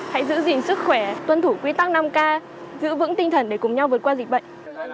hãy giữ gìn sức khỏe tuân thủ quy tắc năm k giữ vững tinh thần để cùng nhau vượt qua dịch bệnh